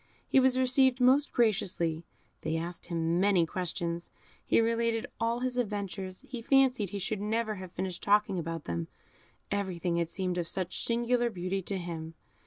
He was received most graciously; they asked him many questions; he related all his adventures; he fancied he should never have finished talking about them, everything had seemed of such singular beauty to him.